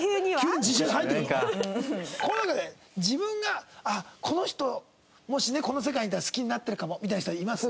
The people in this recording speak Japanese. この中で自分がこの人もしねこの世界にいたら好きになってるかもみたいな人はいます？